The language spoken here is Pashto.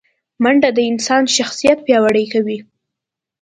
منډه د انسان شخصیت پیاوړی کوي